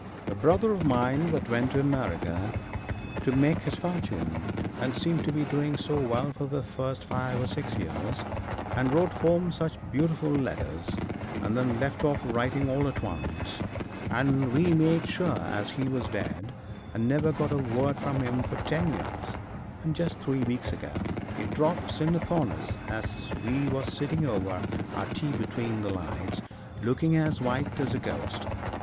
A brother of mine that went to America to make his fortune, and seemed to be doing so well for the first five or six years, and wrote home such beautiful letters, and then left off writing all at once, and we made sure as he was dead, and never got a word from him for ten years, and just three weeks ago he drops in upon us as we was sitting over our tea between the lights, looking as white as a ghost.